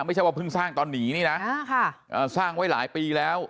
ไม่ใช่ว่าเพิ่งสร้างตอนหนีนี่นะสร้างไว้หลายปีแล้ว